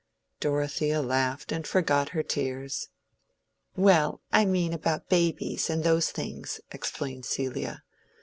Dorothea laughed and forgot her tears. "Well, I mean about babies and those things," explained Celia.